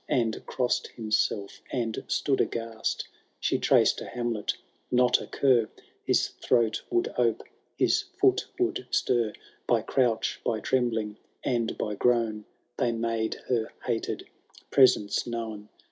And cross'd himself and stood aghast : She traced a hamlet — not a cur His throat would ope, his foot would stir ; By crouch, hy tremhling, and hy groan. They made her hated presence known